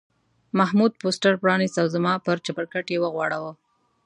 محمود پوسټر پرانیست او زما پر چپرکټ یې وغوړاوه.